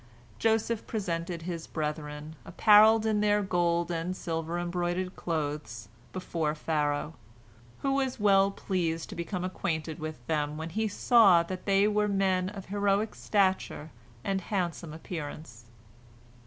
Joseph presented his brethren, apparelled in their gold and silver embroidered clothes, before Pharaoh, who was well pleased to become acquainted with them when he saw that they were men of heroic stature and handsome appearance.